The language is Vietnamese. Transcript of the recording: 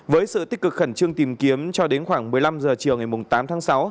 với sự tích cực khẩn trương tìm kiếm cho đến khoảng một mươi năm h chiều ngày tám tháng sáu